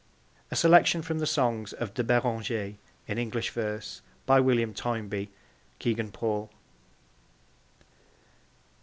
A Selection from the Songs of De Beranger in English Verse. By William Toynbee. (Kegan Paul.)